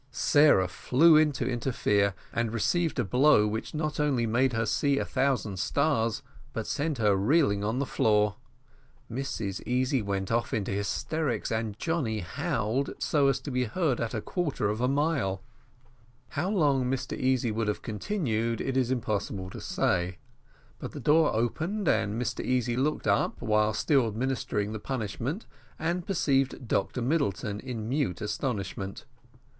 Sarah flew in to interfere, and received a blow which not only made her see a thousand stars, but sent her reeling on the floor. Mrs Easy went off into hysterics, and Johnny howled so as to be heard at a quarter of a mile. How long Mr Easy would have continued it is impossible to say; but the door opened, and Mr Easy looked up while still administering the punishment, and perceived Dr Middleton in mute astonishment.